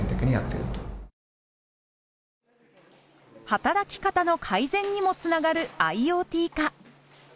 働き方の改善にもつながるＩｏＴ化。